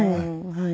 はい。